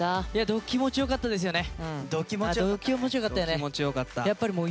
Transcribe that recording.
ど気持ちよかったよね。